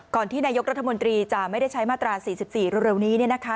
ที่นายกรัฐมนตรีจะไม่ได้ใช้มาตรา๔๔เร็วนี้